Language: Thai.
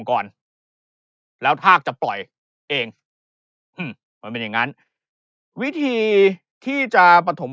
ก่อนแล้วถ้าจะปล่อยเองมันเป็นอย่างนั้นวิธีที่จะปฐม